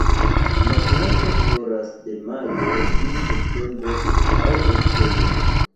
La planto floras de majo ĝis septembro aŭ oktobro.